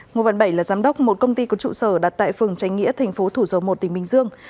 ngo văn bảy là giám đốc một công ty có trụ sở đặt tại phường tránh nghĩa tp thủ dầu một tỉnh bình dương